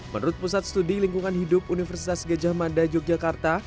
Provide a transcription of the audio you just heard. menurut pusat studi lingkungan hidup universitas gejah mada yogyakarta